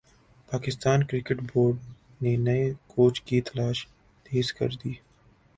Pakistan cricket board نے نئے coach کی تلاش تیز کر دی